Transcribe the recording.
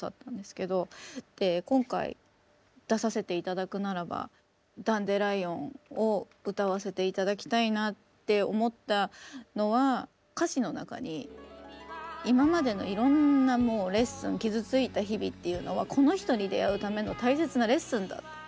で今回出させて頂くならば「ダンデライオン」を歌わせて頂きたいなって思ったのは歌詞の中に今までのいろんなもうレッスン傷ついた日々っていうのはこの人に出逢うための大切なレッスンだった。